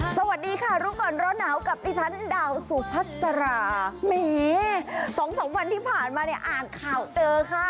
สวัสดีค่ะรู้ก่อนร้อนหนาวกับดิฉันดาวสุพัสราแหมสองสามวันที่ผ่านมาเนี่ยอ่านข่าวเจอค่ะ